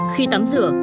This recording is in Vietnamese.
khi tắm rửa